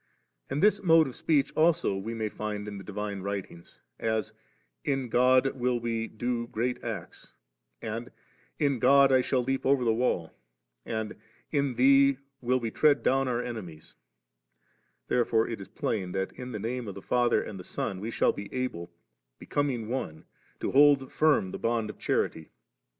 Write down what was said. And this mode of speech also we may find in the divine writings, as *In God will we do great acts;* and *In God I shall leap over the wall3;' and 'In Thee will we tread down our ene miesl' Therefore it is plain, that in the Name of Father and Son we shall be able, becoming one, to hold firm the bond of charity.